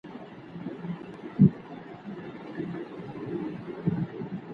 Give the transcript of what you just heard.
ولي لېواله انسان د لوستي کس په پرتله خنډونه ماتوي؟